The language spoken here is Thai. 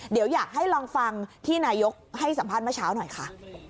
เดี๋ยวอยากให้ลองฟังที่นายกให้สัมภาษณ์เมื่อเช้าหน่อยค่ะ